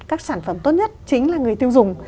các sản phẩm tốt nhất chính là người tiêu dùng